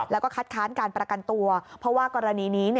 แล้วก็คัดค้านการประกันตัวเพราะว่ากรณีนี้